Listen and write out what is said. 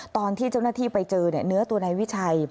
ตอนที่เจ้าหน้าที่ไปเจอเนื้อตัวนายวิชัย